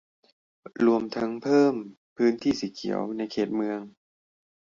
รวมทั้งเพิ่มพื้นที่สีเขียวในเขตเมือง